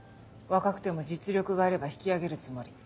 若くても実力があれば引き上げるつもり。